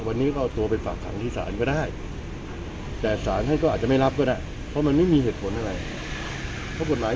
วันนี้ตำรวจตัวลงไปฝักคังที่ศาลฯก็ได้แต่สารให้ก็อาจจะไม่รับก็ได้